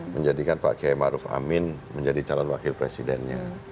menjadikan pak kiai maruf amin menjadi calon wakil presidennya